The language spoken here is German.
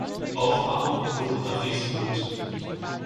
Aufmachung und Photographie sind gut.